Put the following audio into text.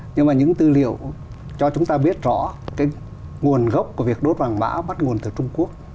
nhưng mà những tư liệu cho chúng ta biết rõ cái nguồn gốc của việc đốt vàng mã bắt nguồn từ trung quốc